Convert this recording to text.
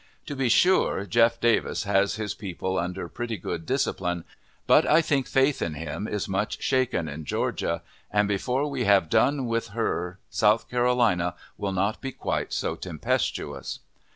To be sure, Jeff. Davis has his people under pretty good discipline, but I think faith in him is much shaken in Georgia, and before we have done with her South Carolina will not be quite so tempestuous.